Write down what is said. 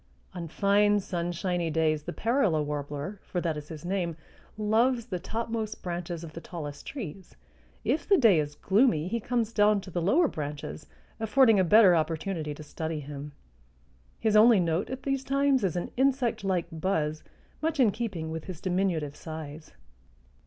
On fine sunshiny days the parula warbler, for that is his name, loves the topmost branches of the tallest trees; if the day is gloomy he comes down to the lower branches, affording a better opportunity to study him. His only note at these times is an insect like buzz much in keeping with his diminutive size.